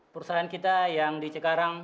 perusahaan kita yang di cikarang